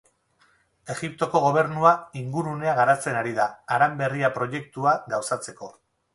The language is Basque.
Egiptoko gobernua ingurunea garatzen ari da, Haran Berria Proiektua gauzatzeko.